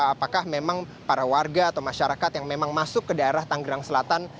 apakah memang para warga atau masyarakat yang memang masuk ke daerah tanggerang selatan